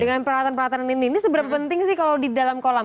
dengan peralatan peralatan ini ini seberapa penting sih kalau di dalam kolam